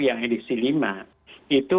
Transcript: yang edisi lima itu